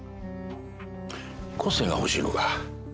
個性が欲しいのか？